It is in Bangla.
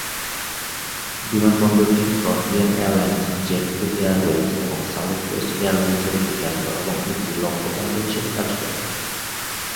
বিমানবন্দরটি Frontier Airlines, JetBlue Airways এবং সাউথ ওয়েস্ট এয়ারলাইন্সের একটি কেন্দ্র এবং একটি লক্ষ্য কেন্দ্র হিসাবে কাজ করে।